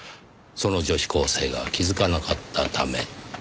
その女子高生が気づかなかったため。